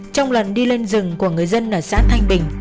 trong lần đi lên rừng của người dân ở xã thanh bình